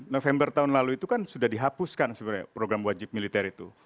november tahun lalu itu kan sudah dihapuskan sebenarnya program wajib militer itu